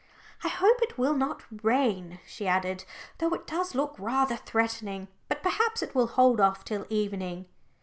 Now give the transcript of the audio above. "I hope it will not rain," she added, "though it does look rather threatening. But perhaps it will hold off till evening."